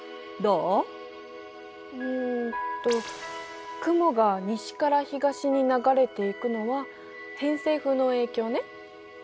うんと雲が西から東に流れていくのは偏西風の影響ね。